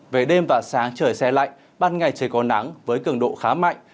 về đêm và sáng trời xe lạnh ban ngày trời có nắng với cường độ khá mạnh